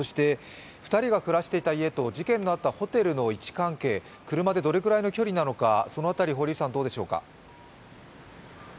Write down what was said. ２人が暮らしていた家と事件のあったホテルは車でどれくらいの距離なのかその辺り、どうでしょうか。